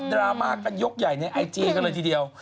ดรามานก์ยกใหญ่ในไอจีกรันที่เดียว